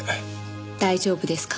大丈夫ですか？